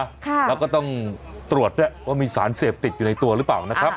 แล้วก็ต้องตรวจด้วยว่ามีสารเสพติดอยู่ในตัวหรือเปล่านะครับ